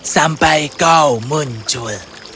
sampai kau muncul